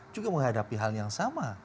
juga menghadapi hal yang sama